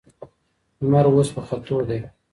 لمر اوس په ختو دی.